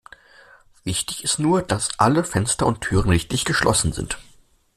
Wichtig ist nur, dass alle Fenster und Türen richtig geschlossen sind.